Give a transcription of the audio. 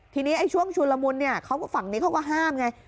ทีนี้ไอ้ช่วงชุนละมุนฝั่งนี้เขาก็ห้ามไง